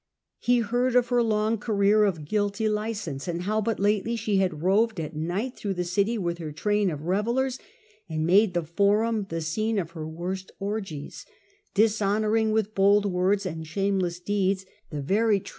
He heard of her long career of guilty license, and how but lately she had roved at night through the city with her tram of revellers and made the Forum the scene of her worst orgies, dishonour ing with bold words and shameless deeds the very tri 32 The Earlier Empire. B.